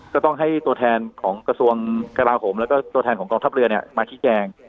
ก็ต้องให้ตัวแทนของกระทรวงกราโหมแล้วก็ตัวแทนของกองทัพเรือมาชี้แจง